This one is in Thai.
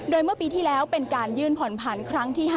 โดยเมื่อปีที่แล้วเป็นการยื่นผ่อนผันครั้งที่๕